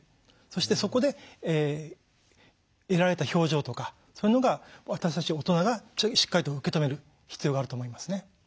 そしてそこで得られた表情とかそういうのが私たち大人がしっかりと受け止める必要があると思いますね。